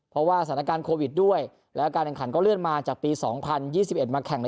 เพราะว่าสถานการณ์โควิดด้วยแล้วการแข่งขันก็เลื่อนมาจากปี๒๐๒๑มาแข่ง